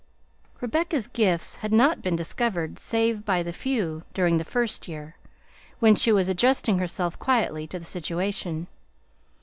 Rebecca's gifts had not been discovered save by the few, during the first year, when she was adjusting herself quietly to the situation.